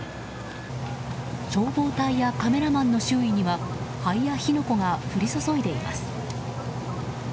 消防隊やカメラマンの周囲には灰や火の粉が降り注いでいます。